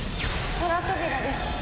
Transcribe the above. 『空扉』です。